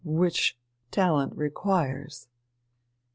which talent requires."